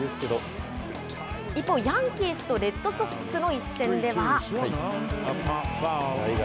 一方、ヤンキースとレッドソックスとの一戦では。